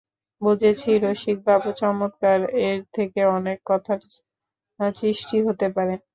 বুঝেছি রসিকবাবু– চমৎকার– এর থেকে অনেক কথার সৃষ্টি হতে পারে।